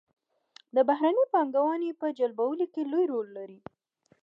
د بهرنۍ پانګونې په جلبولو کې لوی رول لري.